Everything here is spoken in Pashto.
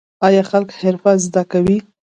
آیا خلک حرفه زده کوي؟